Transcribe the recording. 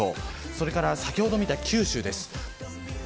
それから、先ほど見た九州です。